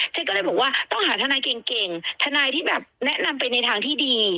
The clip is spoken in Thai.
ฉันก็เลยบอกว่าต้องหาทนายเก่งทนายที่แบบแนะนำไปในทางที่ดี